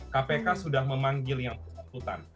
kpk sudah memanggil yang bersangkutan